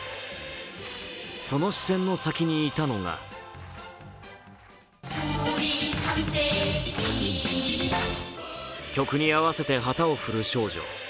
その視線の先にいたのが曲に合わせて旗を振る少女。